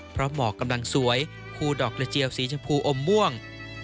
เพราะหมอกกำลังสวยคู่ดอกกระเจียวสีชมพูอมม่วง